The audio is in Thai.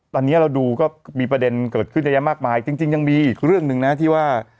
ตอนนี้เราดูก็มีประเด็นเกิดขึ้นเยอะแยะมากมายจริงยังมีอีกเรื่องหนึ่งนะที่ว่า